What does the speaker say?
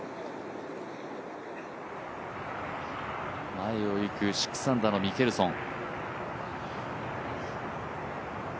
前をいく６アンダーのミケルソン。